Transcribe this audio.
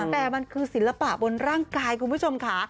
แต่มันคือศิลปะบนร่างกายคุณผู้ชมค่ะ